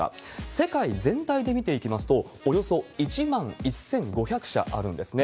世界全体で見ていきますと、およそ１万１５００社あるんですね。